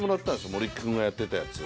森木君がやってたやつ。